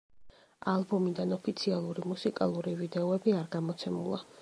ალბომიდან ოფიციალური მუსიკალური ვიდეოები არ გამოცემულა.